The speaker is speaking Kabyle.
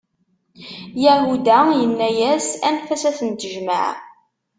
Yahuda yenna-yas: Anef-as ad ten-tejmeɛ!